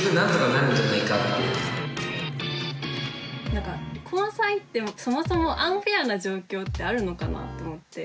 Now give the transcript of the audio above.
なんか交際ってそもそもアンフェアな状況ってあるのかなって思って。